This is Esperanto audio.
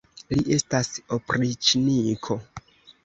Li estas opriĉniko.